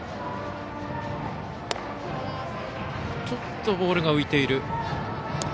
ちょっとボールが浮いている。